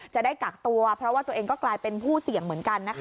จะได้กักตัวเพราะว่าตัวเองก็กลายเป็นผู้เสี่ยงเหมือนกันนะคะ